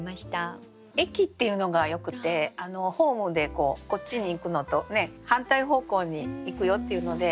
「駅」っていうのがよくてホームでこっちに行くのと反対方向に行くよっていうので。